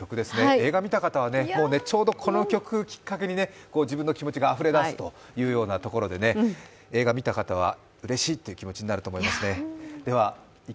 映画を見た方はちょうどこの曲きっかけに自分の気持ちがあふれ出すというところで、映画を見た方はうれしいって気持ちになると思いますね。